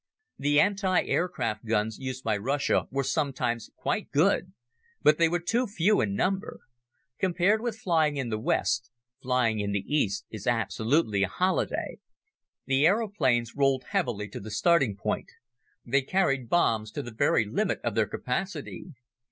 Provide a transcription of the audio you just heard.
The anti aircraft guns used by Russia were sometimes quite good, but they were too few in number. Compared with flying in the West, flying in the East is absolutely a holiday. The aeroplanes rolled heavily to the starting point. They carried bombs to the very limit of their capacity.